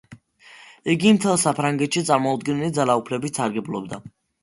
იგი მთელს საფრანგეთში წარმოუდგენელი ძალაუფლებით სარგებლობდა.